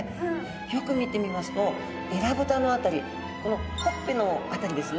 よく見てみますとえらぶたの辺りこのほっぺの辺りですね。